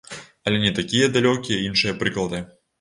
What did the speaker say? Але не такія далёкія іншыя прыклады.